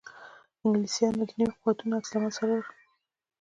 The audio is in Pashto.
انګلیسیانو د نویو قوتونو عکس العملونه څارل.